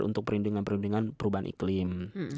untuk perlindungan perlindungan perubahan iklim